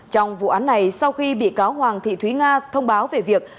trong vụ án này sau khi bị cáo hoàng thị thúy nga thông báo về việc